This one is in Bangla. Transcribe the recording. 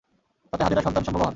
তাতে হাজেরা সন্তান-সম্ভবা হন।